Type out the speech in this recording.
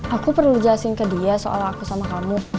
aku perlu jelasin ke dia soal aku sama kamu